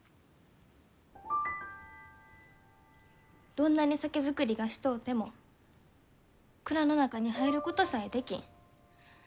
どんなに酒造りがしとうても蔵の中に入ることさえできん。